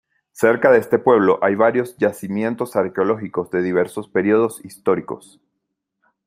Cerca de este pueblo hay varios yacimientos arqueológicos de diversos periodos históricos.